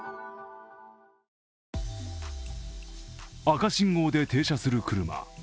赤信号で停車する車。